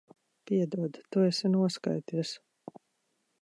Piedod. Tu esi noskaities.